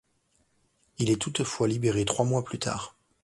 Il est toutefois libéré trois mois plus tard.